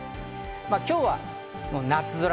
今日は夏空。